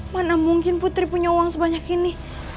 mana mungkin putri punya uang sebanyak ini